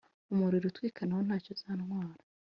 umuriro utwika nawo ntacyo uzantwara